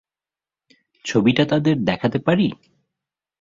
ছবিটা তাদের দেখাতে পারি?